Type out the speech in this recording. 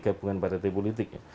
gabungan partai politik